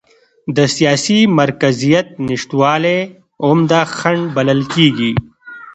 د سیاسي مرکزیت نشتوالی عمده خنډ بلل کېږي.